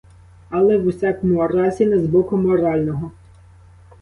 Але, в усякому разі, не з боку морального.